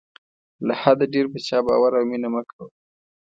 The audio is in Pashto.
له حده ډېر په چا باور او مینه مه کوه.